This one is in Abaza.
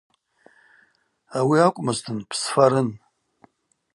Ауи акӏвмызтын бсфарын.